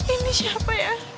ini siapa ya